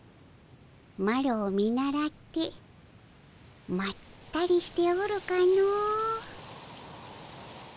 マロを見習ってまったりしておるかの。